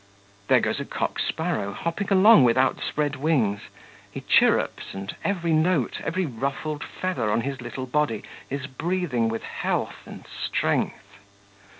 There goes a cock sparrow, hopping along with outspread wings; he chirrups, and every note, every ruffled feather on his little body, is breathing with health and strength....